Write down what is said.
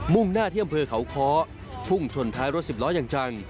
มุ่งหน้าเที่ยมเพื่อเขาค้อพุ่งชนท้ายรถสิบล้อยังจัง